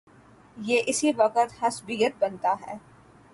یہ اسی وقت عصبیت بنتا ہے۔